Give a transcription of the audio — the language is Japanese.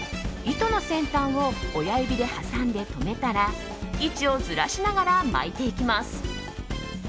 糸の先端を親指で挟んで留めたら位置をずらしながら巻いていきます。